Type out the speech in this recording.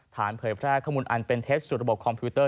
เผยแพร่ข้อมูลอันเป็นเท็จสู่ระบบคอมพิวเตอร์